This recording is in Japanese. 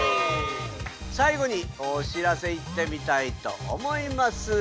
さいごにお知らせいってみたいと思います。